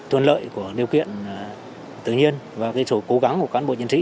tuyên lợi của điều kiện tự nhiên và cái số cố gắng của cán bộ chiến sĩ